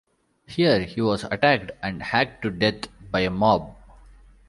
Here he was attacked and hacked to death by a mob.